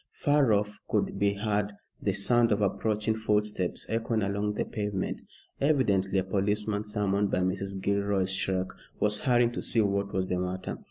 Far off could be heard the sound of approaching footsteps echoing along the pavement. Evidently a policeman, summoned by Mrs. Gilroy's shriek, was hurrying to see what was the matter.